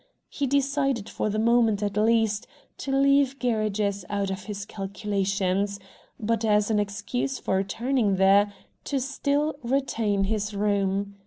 He decided for the moment at least, to leave Gerridge's out of his calculations, but, as an excuse for returning there, to still retain his room.